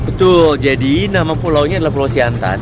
betul jadi nama pulau nya adalah pulau siantan